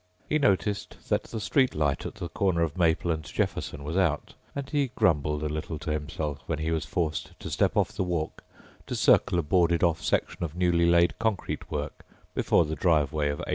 He noticed that the street light at the corner of Maple and Jefferson was out and he grumbled a little to himself when he was forced to step off the walk to circle a boarded off section of newly laid concrete work before the driveway of 816.